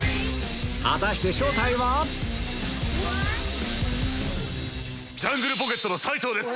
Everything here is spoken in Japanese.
果たして正体は⁉ジャングルポケットの斉藤です。